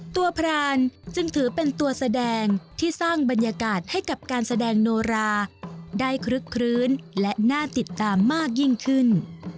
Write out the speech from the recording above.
พรานจึงถือเป็นตัวแสดงที่สร้างบรรยากาศให้กับการแสดงโนราได้คลึกคลื้นและน่าติดตามมากยิ่งขึ้น